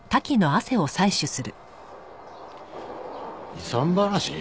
遺産話？